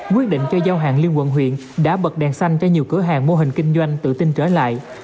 quyết định cho giao hàng liên quận huyện đã bật đèn xanh cho nhiều cửa hàng mô hình kinh doanh tự tin trở lại